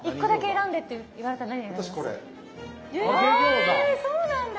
えそうなんだ。